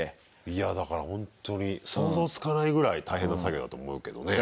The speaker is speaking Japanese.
いやだからほんとに想像つかないぐらい大変な作業だと思うけどね。